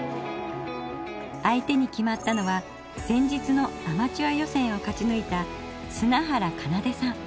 相手に決まったのは前日のアマチュア予選を勝ち抜いた砂原奏さん